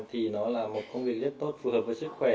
thì nó là một công việc rất tốt phù hợp với sức khỏe